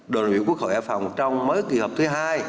đoàn đại biểu quốc hội hải phòng trong mấy kỳ họp thứ hai